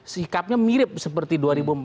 sikapnya mirip seperti dua ribu empat belas